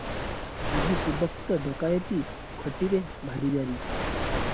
ଆଜି ପୂର୍ବୋକ୍ତ ଡକାଏତି ଖଟିରେ ଭାରି ଜାରି ।